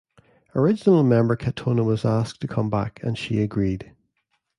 Original member Katona was asked to come back, and she agreed.